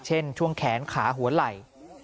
เช่นช่วงแขนขาหัวไหล่